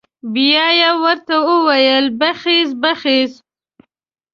بيا یې ورته وويل بخېز بخېز.